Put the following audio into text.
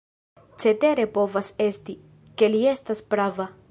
Cetere povas esti, ke li estas prava.